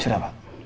sudah pak yuk